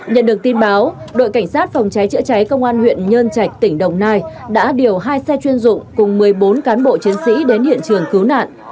nhận được tin báo đội cảnh sát phòng cháy chữa cháy công an huyện nhơn trạch tỉnh đồng nai đã điều hai xe chuyên dụng cùng một mươi bốn cán bộ chiến sĩ đến hiện trường cứu nạn